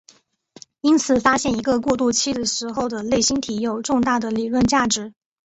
因此发现一个过渡期时候的类星体有重大的理论价值。